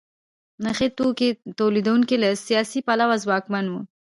نخي توکو تولیدوونکي له سیاسي پلوه ځواکمن وو.